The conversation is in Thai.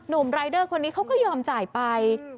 ุ่มรายเดอร์คนนี้เขาก็ยอมจ่ายไป